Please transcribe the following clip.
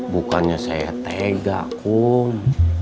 bukannya saya tega kum